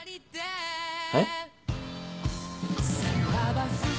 えっ？